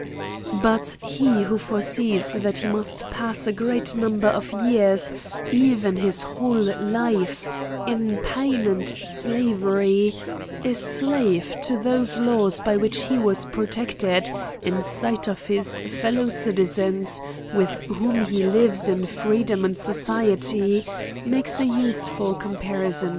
But he who foresees that he must pass a great number of years, even his whole life, in pain and slavery, a slave to those laws by which he was protected, in sight of his fellow citizens, with whom he lives in freedom and society, makes an useful comparison